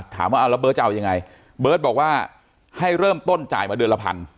ถามว่าระเบิร์ตจะเอายังไงเบิร์ตบอกว่าให้เริ่มต้นจ่ายมาเดือนละพัน